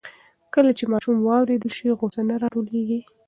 کله چې ماشوم واورېدل شي, غوسه نه راټولېږي.